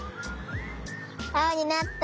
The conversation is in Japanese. あおになった！